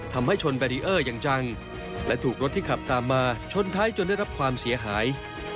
ทำให้ชนแบรีเออร์อย่างจังและถูกรถที่ขับตามมาชนท้ายจนได้รับความเสียหาย